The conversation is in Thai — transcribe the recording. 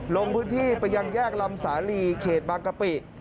ลงพื้นที่ไปยังแยกลำสาลีเขตบางกะปิ